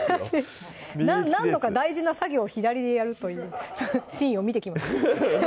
何度か大事な作業左でやるというシーンを見てきました